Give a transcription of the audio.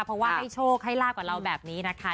เพราะว่าให้โชคให้ลาบกับเราแบบนี้นะคะ